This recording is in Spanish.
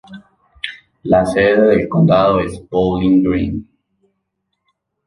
La sede del condado es Bowling Green.